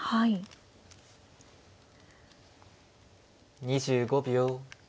２５秒。